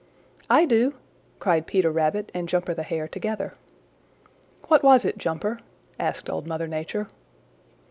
"I do!" cried Peter Rabbit and Jumper the Hare together. "What was it, Jumper?" asked Old Mother Nature.